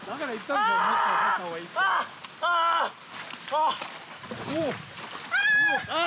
ああ！？